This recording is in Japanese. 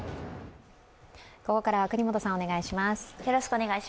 ここからは國本さん、お願いします。